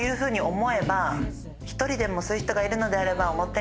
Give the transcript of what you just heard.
１人でもそういう人がいるのであれば。